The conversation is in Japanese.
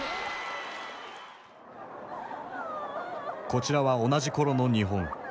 こちらは同じ頃の日本。